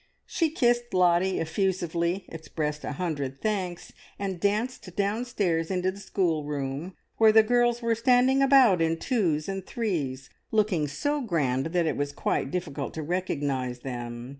She kissed Lottie effusively, expressed a hundred thanks, and danced downstairs into the schoolroom, where the girls were standing about in twos and threes, looking so grand that it was quite difficult to recognise them.